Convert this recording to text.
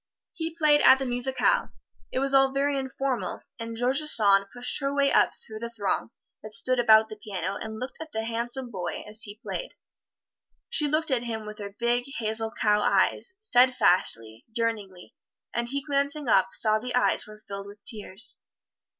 He played at the musicale it was all very informal and George Sand pushed her way up through the throng that stood about the piano and looked at the handsome boy as he played she looked at him with her big, hazel, cow eyes, steadfastly, yearningly, and he glancing up, saw the eyes were filled with tears.